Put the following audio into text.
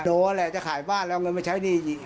โด๊ะแหละจะขายบ้านแล้วเอาเงินมาใช้ดี